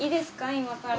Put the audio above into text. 今から。